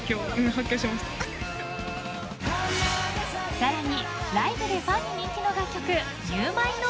［さらに］